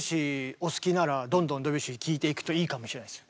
お好きならどんどんドビュッシー聴いていくといいかもしれないですよ。